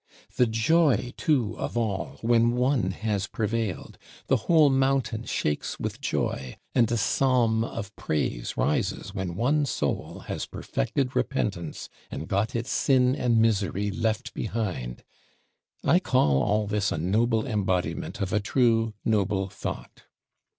The joy too of all, when one has prevailed; the whole Mountain shakes with joy, and a psalm of praise rises when one soul has perfected repentance and got its sin and misery left behind! I call all this a noble embodiment of a true, noble thought.